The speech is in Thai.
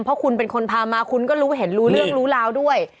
เพราะคุณเป็นคนพามาคุณก็รู้เห็นรู้เรื่องรู้ราวด้วย